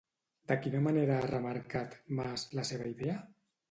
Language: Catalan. De quina manera ha remarcat, Mas, la seva idea?